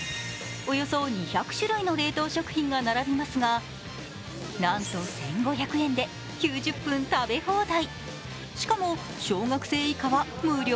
およそ２００種類の冷凍食品が並びますがなんと１５００円で９０分食べ放題。